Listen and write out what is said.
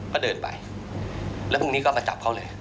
พอเดินไปแล้วพรุ่งนี้ก็ประจำเขาเลย